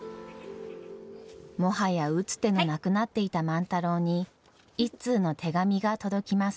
もはや打つ手のなくなっていた万太郎に一通の手紙が届きます。